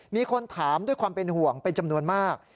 มีคนถามด้วยความเป็นห่วงเป็นจำนวนมาก